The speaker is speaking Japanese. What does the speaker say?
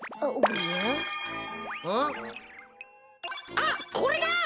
あっこれだ！